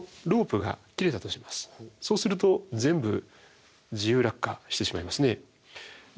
そうすると全部自由落下してしまいますね。